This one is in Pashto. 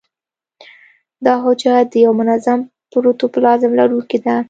دا حجره د یو منظم پروتوپلازم لرونکې ده.